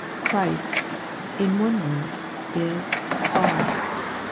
Christ, in one word, is " all."